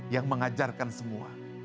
yang mengajarkan semua